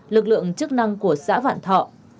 lực lượng chức năng của xã vạn thọ